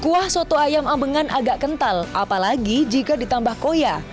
kuah soto ayam ambengan agak kental apalagi jika ditambah koya